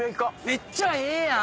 めっちゃええやん！